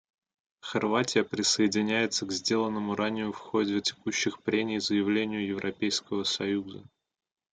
Хорватия присоединяется к сделанному ранее в ходе текущих прений заявлению Европейского союза.